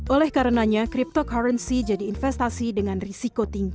oleh karenanya cryptocurrency jadi investasi dengan risiko tinggi